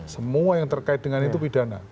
semua yang terkait dengan itu pidana